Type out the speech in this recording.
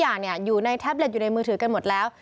เดี๋ยวนี้ทุกอย่างอยู่ในแท็บเล็ตอยู่ในมือถือกันหมดแล้ว